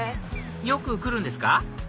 よく来るんですか？